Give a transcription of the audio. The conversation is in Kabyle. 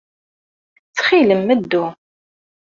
Ttxil-m, ddu.